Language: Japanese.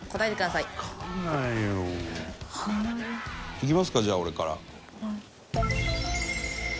いきますかじゃあ俺から。